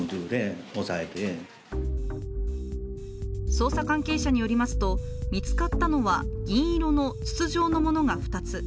捜査関係者によりますと、見つかったのは銀色の筒状のものが２つ。